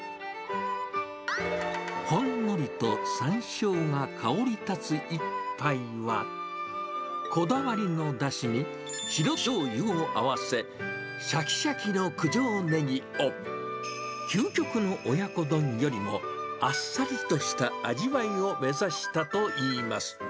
ほんのりとさんしょうを香り立つ一杯は、こだわりのだしに、白しょうゆを合わせ、しゃきしゃきの九条ネギを、究極の親子丼よりも、あっさりとした味わいを目指したといいます。